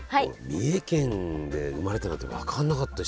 三重県で生まれたなんて分かんなかった。